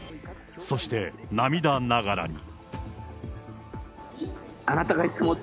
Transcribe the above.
そして、涙ながらに。